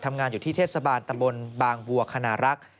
ทำงานอยู่ที่เทศบาลตะบนบางบัวคณรักษ์